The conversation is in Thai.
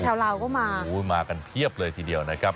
ลาวก็มามากันเพียบเลยทีเดียวนะครับ